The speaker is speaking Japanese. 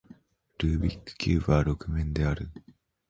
ルービックキューブは六面である